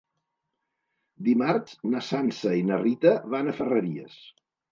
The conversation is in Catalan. Dimarts na Sança i na Rita van a Ferreries.